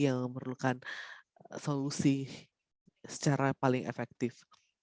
yang memerlukan solusi secara paling efektif